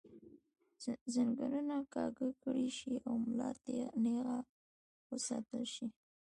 زنګونان کاږۀ کړے شي او ملا نېغه وساتلے شي